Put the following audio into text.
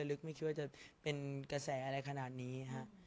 ลึกไม่คิดว่าจะเป็นกระแสอะไรขนาดนี้ฮะ